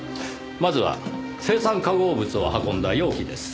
まずは青酸化合物を運んだ容器です。